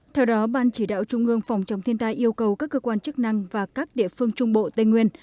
theo đó ban chỉ đạo trung ương phòng chống thiên tai yêu cầu các cơ quan chức năng và các địa phương trung bộ tây nguyên